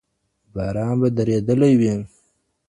باران به درېدلی وي.